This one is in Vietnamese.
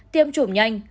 tiêm chủng nhanh